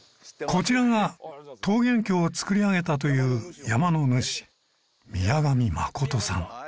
こちらが桃源郷を作り上げたという山の主宮上誠さん。